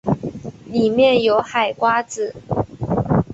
里面有海瓜子